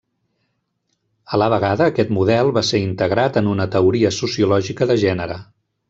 A la vegada, aquest model va ser integrat en una teoria sociològica de gènere.